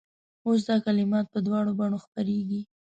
اوس دا کلمات په دواړو بڼو خپرېږي.